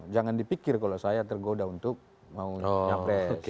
jangan dipikir kalau saya tergoda untuk mau capres